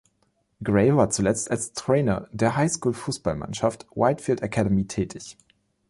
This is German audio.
Gray war zuletzt als Trainer der Highschool-Fußballmannschaft Whitefield Academy tätig.